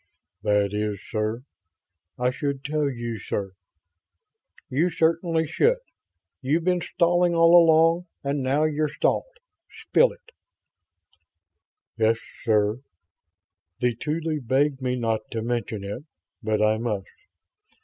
"That is, sir ... I should tell you, sir ..." "You certainly should. You've been stalling all along, and now you're stalled. Spill it." "Yes, sir. The Tuly begged me not to mention it, but I must.